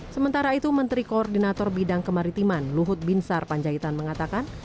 sementara itu menteri koordinator bidang kemaritiman luhut binsar panjaitan mengatakan